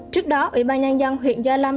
trước đó ủy ban nhân dân huyện gia lâm